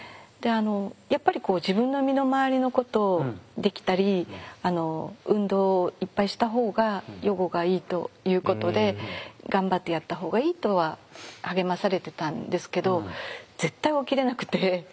やっぱり自分の身の回りのことできたり運動いっぱいした方が予後がいいということで頑張ってやった方がいいとは励まされてたんですけど絶対起きれなくて。